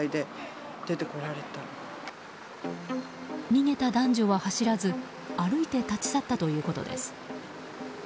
逃げた男女は走らず歩いて立ち去ったということです。